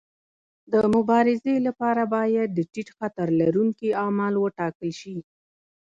د مبارزې لپاره باید د ټیټ خطر لرونکي اعمال وټاکل شي.